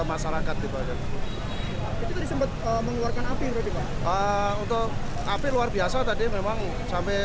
masyarakat di bagian itu disempat mengeluarkan api untuk api luar biasa tadi memang sampai